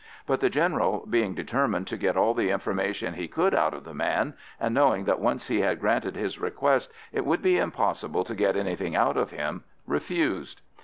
But the General, being determined to get all the information he could out of the man, and knowing that once he had granted his request it would be impossible to get anything out of him, refused.